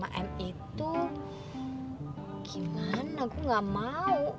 uang lima m itu gimana gue gak mau